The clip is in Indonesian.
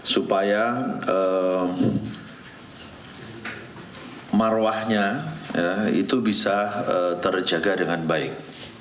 supaya marwahnya itu bisa terjaga dengan baik